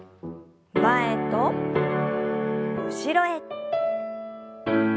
前と後ろへ。